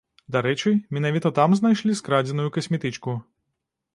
Дарэчы, менавіта там знайшлі скрадзеную касметычку.